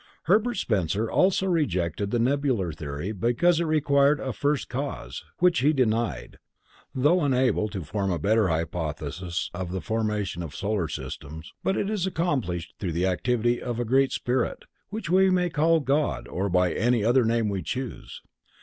Herbert Spencer also rejected the nebular theory because it required a First Cause, which he denied, though unable to form a better hypothesis of the formation of solar systems,—but it is accomplished through the activity of a Great Spirit, which we may call God or by any other name we choose.